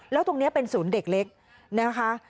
แล้วตรงนี้เป็นศูนย์เด็กเล็กนะคะ